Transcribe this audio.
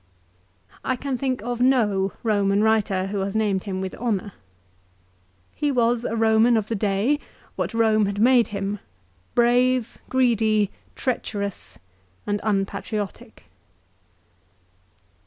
I can think of no Eoman writer who has named him with honour. He was a Eoman of the day, what Eome had made him, brave, greedy, treacherous, and unpatriotic.